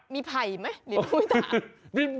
มีไผ่ไหมลินหุ้ย